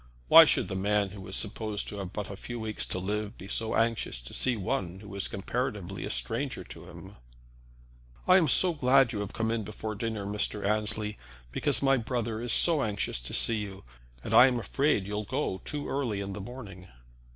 Why should the man who was supposed to have but a few weeks to live be so anxious to see one who was comparatively a stranger to him? "I am so glad you have come in before dinner, Mr. Annesley, because my brother is so anxious to see you, and I am afraid you'll go too early in the morning."